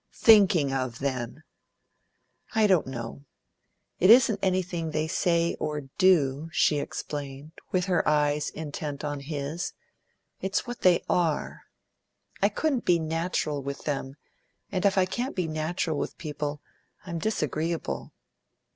"Thinking of, then." "I don't know. It isn't anything they say or do," she explained, with her eyes intent on his. "It's what they are. I couldn't be natural with them, and if I can't be natural with people, I'm disagreeable."